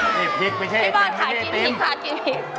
นี่พริกไม่ใช่กันไม่ใช่จิ้มที่บ้านขายกินพริกค่ะ